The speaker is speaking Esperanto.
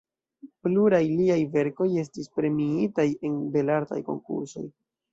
Pluraj liaj verkoj estis premiitaj en Belartaj Konkursoj.